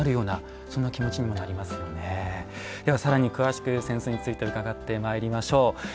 さらに詳しく扇子について伺ってまいりましょう。